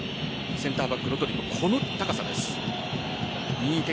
センターバック・ロドリこの高さです。